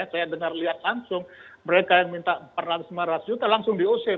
saya dengar lihat langsung mereka yang minta empat ratus lima ratus juta langsung diusir